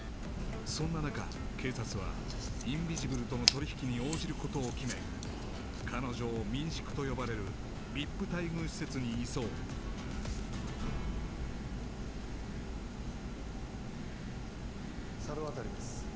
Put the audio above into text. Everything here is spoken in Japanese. そんな中警察はインビジブルとの取引に応じることを決め彼女を民宿と呼ばれるＶＩＰ待遇施設に移送猿渡です